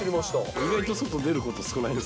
意外と外出ること、少ないで